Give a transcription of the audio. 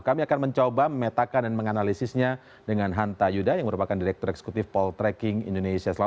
kami akan mencoba memetakan dan menganalisisnya dengan hanta yuda yang merupakan direktur eksekutif poltreking indonesia